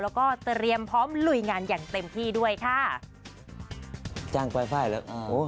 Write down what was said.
แล้วก็เตรียมพร้อมลุยงานอย่างเต็มที่ด้วยค่ะจ้างไฟล์แล้วโอ้